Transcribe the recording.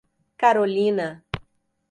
Carolina